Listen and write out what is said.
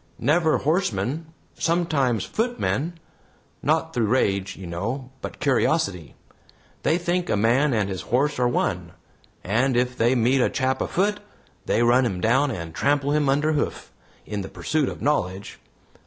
"Never horsemen sometimes footmen. Not through rage, you know, but curiosity. They think a man and his horse are one, and if they meet a chap afoot, they run him down and trample him under hoof, in the pursuit of knowledge.